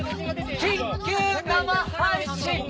緊急生配信！